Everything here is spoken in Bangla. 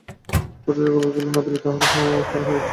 ভট্টাচার্য খবর পাইলেন, আপিলে তাঁহার হার হইয়াছে।